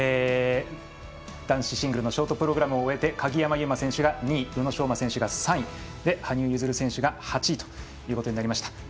男子シングルのショートプログラムを終えて鍵山優真選手が２位宇野昌磨選手が３位羽生結弦が８位となりました。